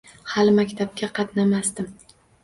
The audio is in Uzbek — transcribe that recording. Hali maktabga qatnamasdim.